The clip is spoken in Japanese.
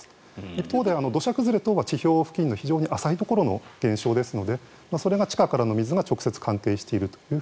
一方で、土砂崩れ等は地上付近の浅いところの現象ですのでそれが、地下からの水が直接関係していると。